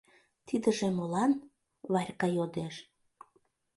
«Тидыже молан?» — Варька йодеш.